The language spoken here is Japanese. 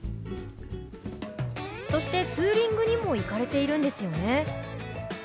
そしてツーリングにも行かれているんですよね？